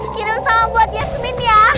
kirim sama buat yasmin ya